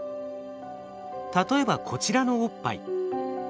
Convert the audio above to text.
例えばこちらのおっぱい。